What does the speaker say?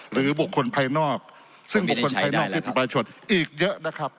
หรือบุคคลภายนอกซึ่งบุคคลภายนอกคือประชาชนอีกเยอะนะครับ